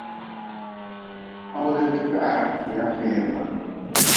Hogdte kwiharah dira feerbe.